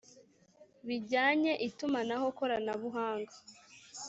bijyanye itumanaho koranabuhanga